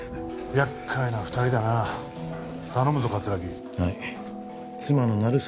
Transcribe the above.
やっかいな二人だな頼むぞ葛城はい妻の鳴沢